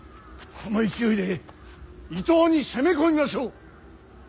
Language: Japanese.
この勢いで伊東に攻め込みましょう。